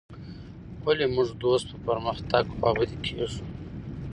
ولي موږ د دوست په پرمختګ خوابدي کيږو.